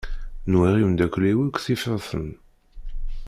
Nwiɣ imeddukal-iw akk tifeḍ-ten.